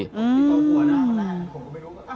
อืม